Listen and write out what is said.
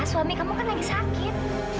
suami kamu kan lagi sakit